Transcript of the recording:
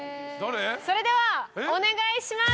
それではお願いします！